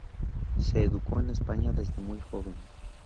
Se educó en España desde muy joven.